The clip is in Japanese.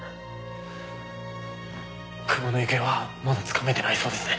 久保の行方はまだつかめてないそうですね。